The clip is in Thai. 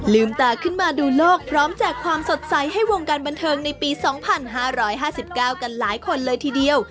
ตาขึ้นมาดูโลกพร้อมแจกความสดใสให้วงการบันเทิงในปี๒๕๕๙กันหลายคนเลยทีเดียว